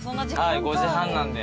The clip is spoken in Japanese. はい５時半なんで。